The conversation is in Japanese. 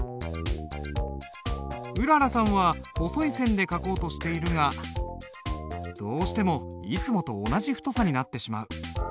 うららさんは細い線で書こうとしているがどうしてもいつもと同じ太さになってしまう。